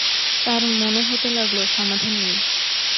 তাঁর মনে হতে লাগল, সমাধান নেই।